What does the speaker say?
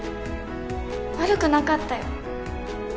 悪くなかったよ。